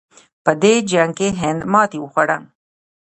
په دې جنګ کې هند ماتې وخوړه.